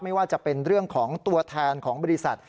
ไม่ว่าจะเป็นเรื่องของตัวแทนของบริษัท